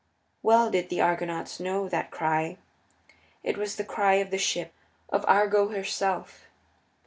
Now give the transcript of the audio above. Well did the Argonauts know that cry it was the cry of the ship, of Argo herself.